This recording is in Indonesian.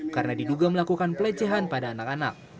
karena diduga melakukan pelecehan pada anak anak